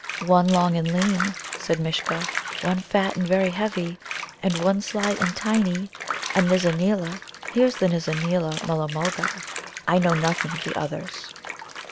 "'One long and lean,'" said Mishcha, "'one fat and very heavy, and one sly and tiny, a Nizza neela.' Here's the Nizza neela Mulla mulgar; I know nothing of the others."